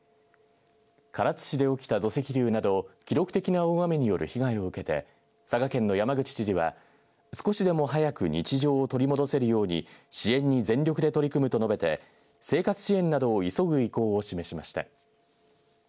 唐津市で起きた土石流など記録的な大雨による被害を受けて佐賀県の山口知事は少しでも早く日常を取り戻せるように支援に全力で取り組むと述べて生活支援などを急ぐ意向を示しました。